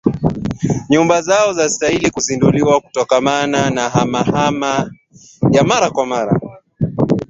Nyumba zao za asili ziliundwa kutokana na hama hama yao mara kwa mara